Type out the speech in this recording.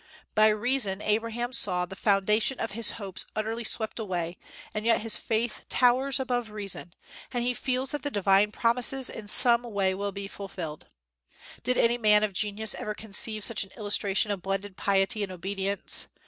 By reason Abraham saw the foundation of his hopes utterly swept away; and yet his faith towers above reason, and he feels that the divine promises in some way will be fulfilled. Did any man of genius ever conceive such an illustration of blended piety and obedience?